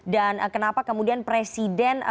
dan kenapa kemudian presiden